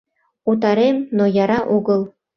Утарем, но яра огыл.